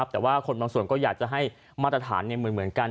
แต่ว่าคนบางส่วนก็อยากจะให้มาตรฐานเหมือนกัน